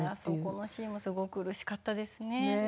このシーンもすごく苦しかったですね